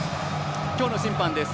今日の審判です。